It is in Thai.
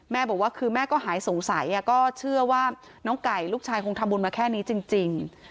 บอกว่าคือแม่ก็หายสงสัยก็เชื่อว่าน้องไก่ลูกชายคงทำบุญมาแค่นี้จริง